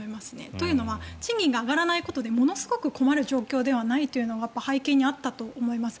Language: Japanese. というのは賃金が上がらないことでものすごく困る状況ではないというのが背景にあったと思います。